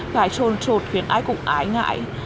gãi sồn sột khiến ai cũng ái ngại